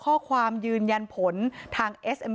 พี่สาวบอกว่าไม่ได้ไปกดยกเลิกรับสิทธิ์นี้ทำไม